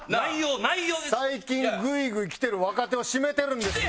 最近グイグイきてる若手をシメてるんですよ。